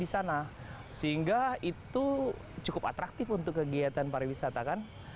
sehingga itu cukup atraktif untuk kegiatan para wisata kan